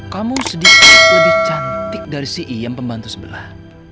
kamu sedikit lebih cantik dari si iam pembantu sebelah